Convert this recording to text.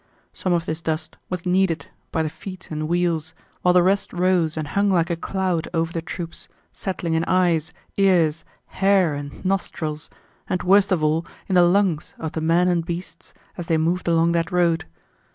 Some of this dust was kneaded by the feet and wheels, while the rest rose and hung like a cloud over the troops, settling in eyes, ears, hair, and nostrils, and worst of all in the lungs of the men and beasts as they moved along that road.